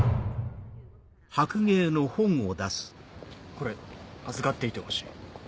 これ預かっていてほしい。